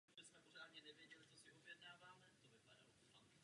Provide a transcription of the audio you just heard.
Skládal i populární hudbu.